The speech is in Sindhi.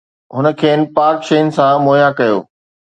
هن کين پاڪ شين سان مهيا ڪيو